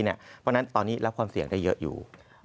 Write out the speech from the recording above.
เพราะฉะนั้นตอนนี้รับความเสี่ยงได้เยอะอยู่